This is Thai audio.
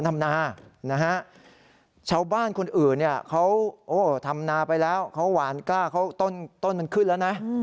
ธำนาไปแล้วเขาหวานกล้าต้นมันขึ้นแล้วนะ